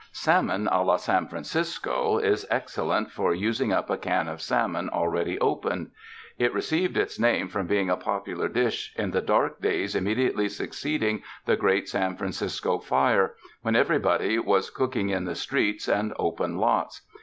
''Salmon a la San Francisco" is excellent for us ing up a can of salmon already opened. It received its name from being a popular dish in the dark days immediately succeeding the great San Francisco fire, when everybody was cooking in the streets and open lots.